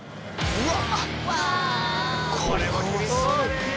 うわ！